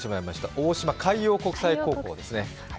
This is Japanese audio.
大島海洋国際高校ですね。